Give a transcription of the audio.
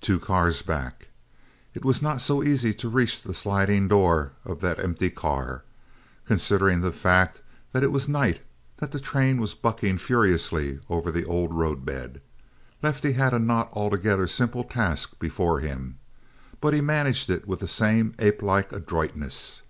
Two cars back. It was not so easy to reach the sliding side door of that empty car. Considering the fact that it was night, that the train was bucking furiously over the old roadbed, Lefty had a not altogether simple task before him. But he managed it with the same apelike adroitness.